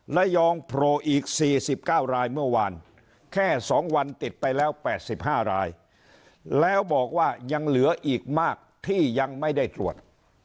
ระยองโผล่อีก๔๙รายเมื่อวานแค่๒วันติดไปแล้ว๘๕รายแล้วบอกว่ายังเหลืออีกมากที่ยังไม่ได้ตรวจ